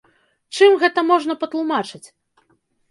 Чым гэта можна патлумачыць?